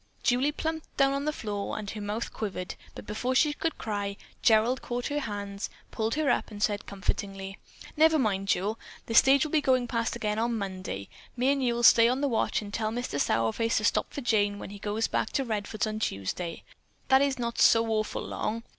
Julie plumped down on the floor and her mouth quivered, but before she could cry, Gerald caught her hands, pulled her up and said comfortingly: "Never mind, Jule. The stage will be going past again on Monday. Me and you'll stay on the watch and tell Mister Sourface to stop for Jane when he goes back to Redfords on Tuesday. That is not so awful long.